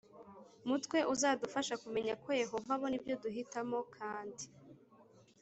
mutwe uzadufasha kumenya ko Yehova abona ibyo duhitamo kandi